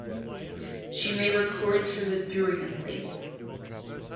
She made recordings for the Durium label.